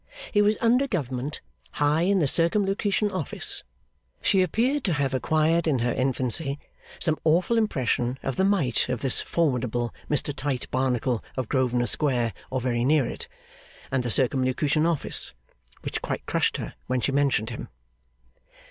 He was under Government high in the Circumlocution Office. She appeared to have acquired, in her infancy, some awful impression of the might of this formidable Mr Tite Barnacle of Grosvenor Square, or very near it, and the Circumlocution Office, which quite crushed her when she mentioned him.